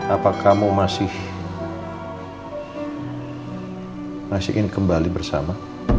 apa kamu masih ingin kembali bersama